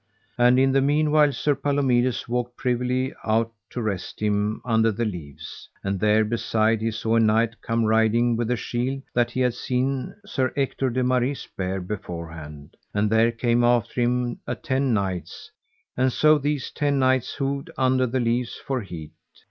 And in the meanwhile Sir Palomides walked privily out to rest him under the leaves, and there beside he saw a knight come riding with a shield that he had seen Sir Ector de Maris bear beforehand; and there came after him a ten knights, and so these ten knights hoved under the leaves for heat.